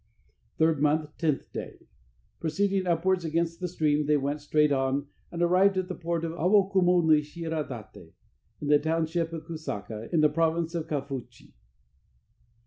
Third month, 10th day. Proceeding upwards against the stream, they went straight on, and arrived at the port of Awo Kumo no Shira date, in the township of Kusaka, in the province of Kafuchi.